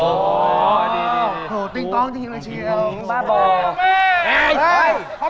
โหติ้งต้องจริงเลยเชียร์